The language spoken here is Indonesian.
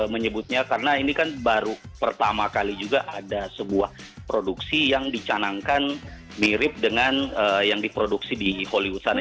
menyebutnya karena ini kan baru pertama kali juga ada sebuah produksi yang dicanangkan mirip dengan yang diproduksi di hollywood sana